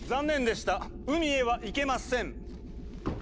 海へは行けません！